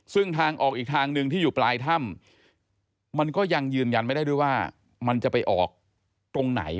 ซึ่งทางออกอีกทางหนึ่งที่อยู่ปลายถ้ำมันก็ยังยืนยันไม่ได้ด้วยว่ามันจะไปออกตรงไหน